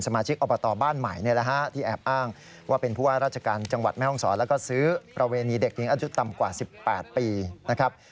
มาชิกอบตบ้านใหม่ที่แอบอ้างว่าเป็นผู้ว่าราชการจังหวัดแม่ห้องศรแล้วก็ซื้อประเวณีเด็กหญิงอายุต่ำกว่า๑๘ปีนะครับ